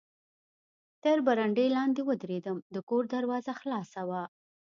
تر برنډې لاندې و درېدم، د کور دروازه خلاصه وه.